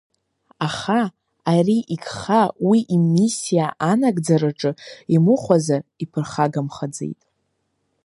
Аха ари игха, уи имиссиа анагӡараҿы имыхәазар, иԥырхагамхаӡеит.